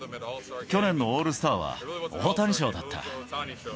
去年のオールスターは、大谷ショーだった。